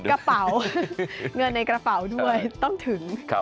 กระเป๋าเงินในกระเป๋าด้วยต้องถึง